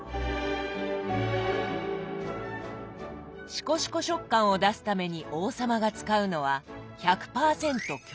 ⁉しこしこ食感を出すために王様が使うのは１００％強力粉。